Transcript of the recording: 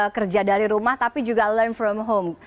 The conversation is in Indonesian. kerja dari rumah tapi juga learn from home